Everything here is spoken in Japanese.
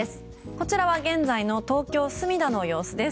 こちらは現在の東京・墨田の様子です。